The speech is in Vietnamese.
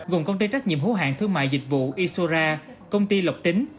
gồm công ty trách nhiệm hữu hạng thương mại dịch vụ isora công ty lộc tính